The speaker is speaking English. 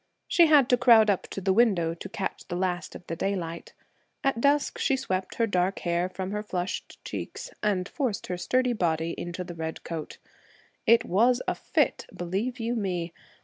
She had to crowd up to the window to catch the last of the daylight. At dusk, she swept her dark hair from her flushed cheeks and forced her sturdy body into the red coat. It was a 'fit,' believe you me!